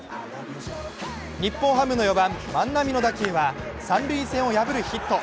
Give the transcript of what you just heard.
日本ハムの４番・万波の打球は三塁線を破るヒット。